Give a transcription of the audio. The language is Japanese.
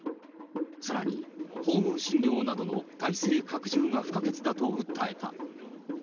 さらに、訪問診療などの体制拡充が不可欠だと訴えた。